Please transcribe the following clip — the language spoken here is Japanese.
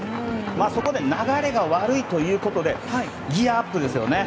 そこで流れが悪いということでギアアップですよね。